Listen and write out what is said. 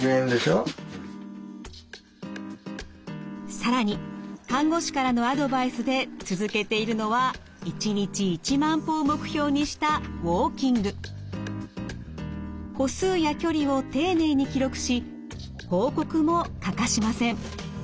更に看護師からのアドバイスで続けているのは歩数や距離を丁寧に記録し報告も欠かしません。